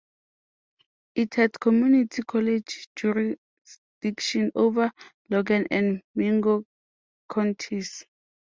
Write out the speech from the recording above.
It had community college jurisdiction over Logan and Mingo counties.